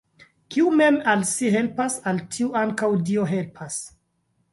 Kiu mem al si helpas, al tiu ankaŭ Dio helpas!